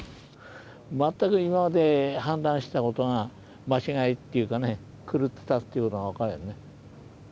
全く今まで判断してた事が間違いっていうかね狂っていたっていう事が分かるよね。